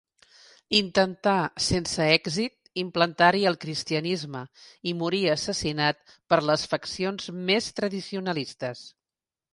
Intentà, sense èxit, implantar-hi el cristianisme i morí assassinat per les faccions més tradicionalistes.